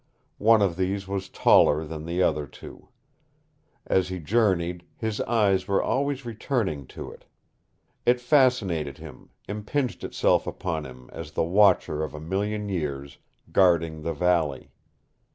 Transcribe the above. One of these was taller than the other two. As he journeyed, his eyes were always returning to it. It fascinated him, impinged itself upon him as the watcher of a million years, guarding the valley.